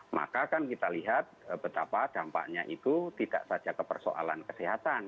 maka kan kita lihat betapa dampaknya itu tidak saja ke persoalan kesehatan